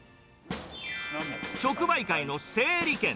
直売会の整理券。